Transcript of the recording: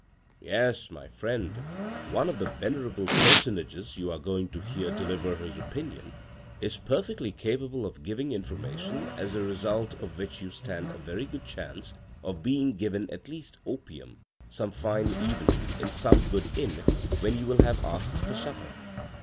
Yes, my friend, one of the venerable personages you are going to hear deliver his opinion, is perfectly capable of giving information as the result of which you stand a very good chance of being given at least opium some fine evening in some good inn where you will have asked for supper."